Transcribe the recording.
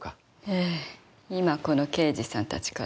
ええ今この刑事さんたちから。